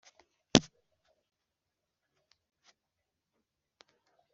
igice cya mbere: ubukoloni n’amacakubiri mu rwanda.